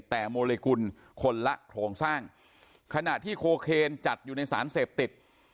แต่โมเลกุลคนละโครงสร้างขณะที่โคเคนจัดอยู่ในสารเสพติด